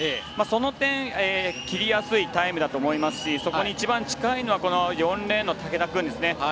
その点、切りやすいタイムだと思いますしそこに一番近いのは４レーンの竹田君ですね。